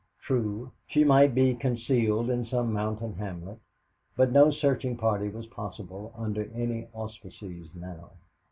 True, she might be concealed in some mountain hamlet, but no searching party was possible under any auspices now.